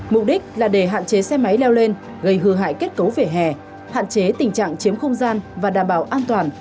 mục đích là để hạn chế xe máy leo lên gây hư hại kết cấu về hè hạn chế tình trạng chiếm không gian và đảm bảo an toàn